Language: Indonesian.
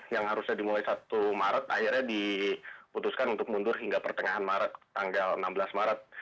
yang harusnya dimulai satu maret akhirnya diputuskan untuk mundur hingga pertengahan maret tanggal enam belas maret